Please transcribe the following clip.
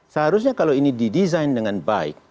seharusnya kalau ini didesain dengan baik